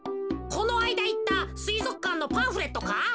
このあいだいったすいぞくかんのパンフレットか？